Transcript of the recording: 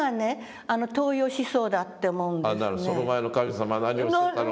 その前の神様は何をしてたのかと。